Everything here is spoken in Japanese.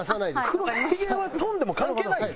黒ひげは飛んでも関係ないんや。